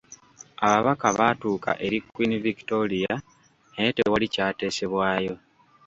Ababaka baatuuka eri Queen Victoria, naye tewali kyateesebwayo.